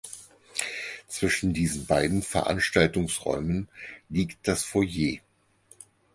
Zwischen diesen beiden Veranstaltungsräumen liegt das Foyer.